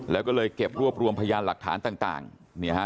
แล้วก็เลยเก็บรวบรวมพยานหลักฐานต่างเนี่ยฮะ